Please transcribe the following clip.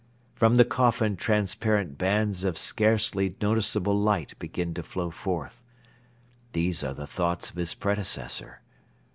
From the coffin transparent bands of scarcely noticeable light begin to flow forth. These are the thoughts of his predecessor.